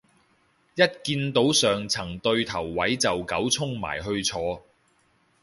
一見到上層對頭位就狗衝埋去坐